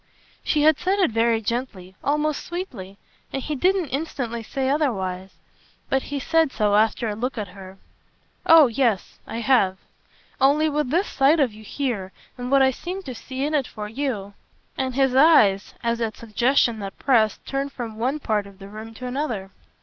She had said it very gently, almost sweetly, and he didn't instantly say otherwise. But he said so after a look at her. "Oh yes I have. Only with this sight of you here and what I seem to see in it for you !" And his eyes, as at suggestions that pressed, turned from one part of the room to another.